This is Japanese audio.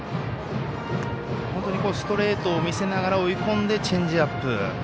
本当にストレートを見せながら追い込んでチェンジアップ。